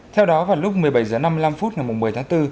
theo đó vào lúc một mươi bảy h năm mươi năm phút ngày một mươi tháng bốn